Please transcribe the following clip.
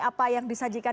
apa yang disajikan